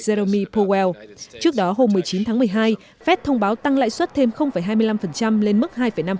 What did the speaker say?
zeromy powell trước đó hôm một mươi chín tháng một mươi hai fed thông báo tăng lãi suất thêm hai mươi năm lên mức hai năm